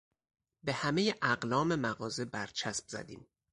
به همهی اقلام مغازه برچسب زدیم.